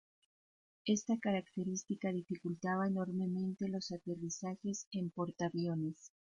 Esta característica dificultaba enormemente los aterrizajes en portaaviones.